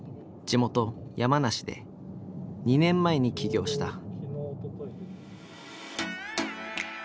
地元・山梨で２年前に起業した。